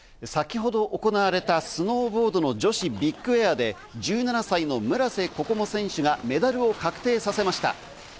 先ほど行われたスノーボード女子ビッグエアで１７歳の村瀬心椛選手がメダルを確定させました。